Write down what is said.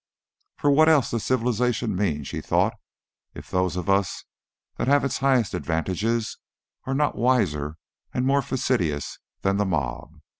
"For what else does civilization mean," she thought, "if those of us that have its highest advantages are not wiser and more fastidious than the mob?